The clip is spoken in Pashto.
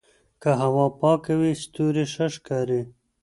که هوا پاکه وي ستوري ښه ښکاري.